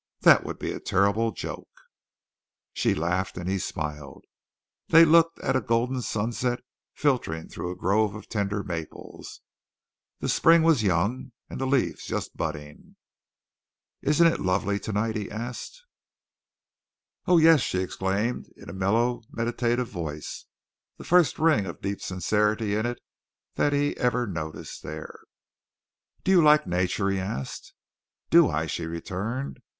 That would be a terrible joke." She laughed and he smiled. They looked at a golden sunset filtering through a grove of tender maples. The spring was young and the leaves just budding. "Isn't it lovely tonight?" he asked. "Oh, yes!" she exclaimed, in a mellow, meditative voice, the first ring of deep sincerity in it that he ever noticed there. "Do you like nature?" he asked. "Do I?" she returned.